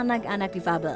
untuk anak anak difabel